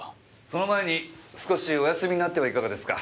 その前に少しお休みになってはいかがですか？